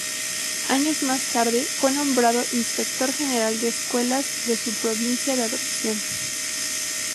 Años más tarde fue nombrado Inspector General de Escuelas de su provincia de adopción.